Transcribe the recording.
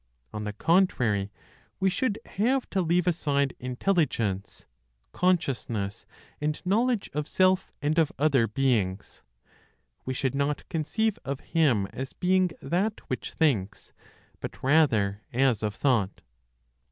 On the contrary, we should have to leave aside intelligence, consciousness, and knowledge of self and of other beings. We should not conceive of Him as being that which thinks, but rather as of thought.